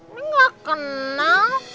neng gak kenal